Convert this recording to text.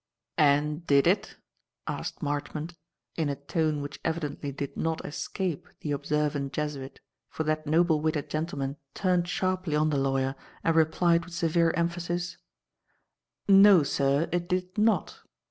"And did it?" asked Marchmont in a tone which evidently did not escape the observant Jesuit, for that noble witted gentleman turned sharply on the lawyer and replied with severe emphasis: "No, sir, it did not.